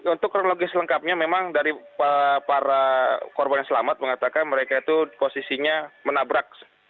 untuk kronologis lengkapnya memang dari para korban yang selamat mengatakan mereka itu posisinya menabrak